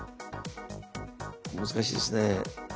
難しいですね。